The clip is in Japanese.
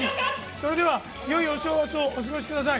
それではよいお正月をお過ごしください。